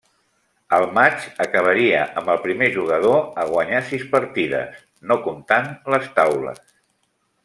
El matx acabaria amb el primer jugador a guanyar sis partides, no comptant les taules.